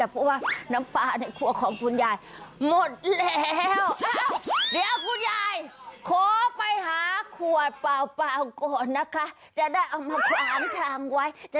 ก็ต้องเอาขวดไปให้เขาถึงถ้าเขาจอดเราจะได้เดินออกไปซื้อไหลเท่าไหร่